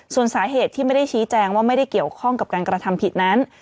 ส่วนสาเหตุที่ไม่ได้ชี้แจงว่าไม่ได้เกี่ยวข้องกับการกระทำผิดนั้น